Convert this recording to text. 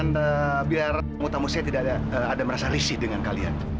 dan biar tamu tamu saya tidak ada merasa lisi dengan kalian